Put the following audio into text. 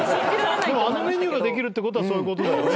でもあのメニューができるってことはそういうことだよね。